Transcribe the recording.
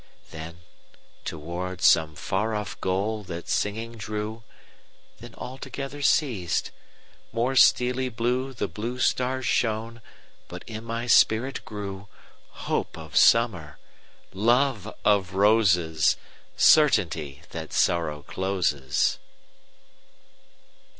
Then toward some far off goal that singing drew; Then altogether ceas'd; more steely blueThe blue stars shone; but in my spirit grewHope of Summer, love of Roses, Certainty that Sorrow closes.